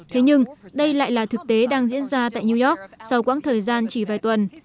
thế nhưng đây lại là thực tế đang diễn ra tại new york sau quãng thời gian chỉ vài tuần